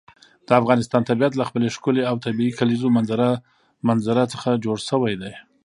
د افغانستان طبیعت له خپلې ښکلې او طبیعي کلیزو منظره څخه جوړ شوی دی.